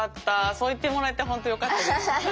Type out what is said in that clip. そう言ってもらえてほんとよかったです。